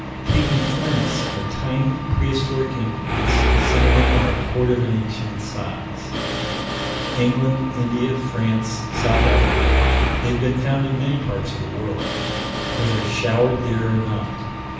"Pigmy flints" are tiny, prehistoric implements. Some of them are a quarter of an inch in size. England, India, France, South Africa they've been found in many parts of the world whether showered there or not.